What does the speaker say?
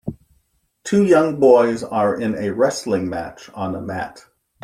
Two young boys are in a wrestling match, on a mat.